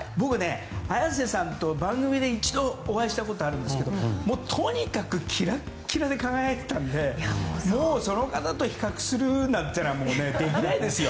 綾瀬さんと番組で一度お会いしたことあるんですがとにかくキラッキラで輝いていたんでもうその方と比較するなんてできないですよ。